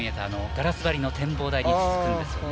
ガラス張りの展望台に続くんです。